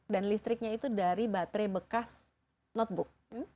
dan listriknya itu dari baterai bekas notebook